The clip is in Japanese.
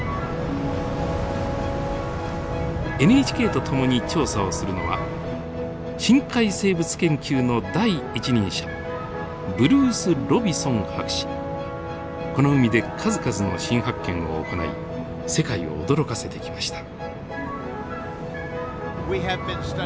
ＮＨＫと共に調査をするのは深海生物研究の第一人者この海で数々の新発見を行い世界を驚かせてきました。